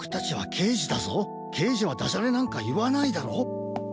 けいじはだじゃれなんかいわないだろ。